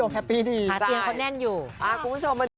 โดมเนี้ยบอกเลยว่าโอ้โห